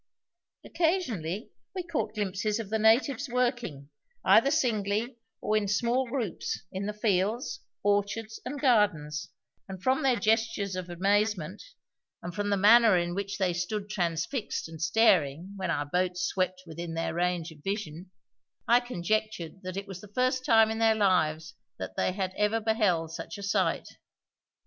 Occasionally we caught glimpses of the natives working, either singly or in small groups, in the fields, orchards, and gardens, and from their gestures of amazement, and from the manner in which they stood transfixed and staring when our boat swept within their range of vision, I conjectured that it was the first time in their lives that they had ever beheld such a sight.